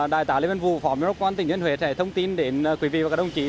đại tả lê vân vũ phó mỹ đốc công an thứ thiên huế sẽ thông tin đến quý vị và các đồng chí